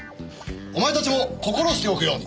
お前たちも心しておくように。